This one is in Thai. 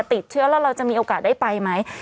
ติดเชื้อแล้วเราจะมีโอกาสได้ไปไหม